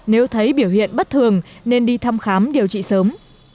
nếu thấy biểu hiện bất thường nên đi thăm khám điều trị sớm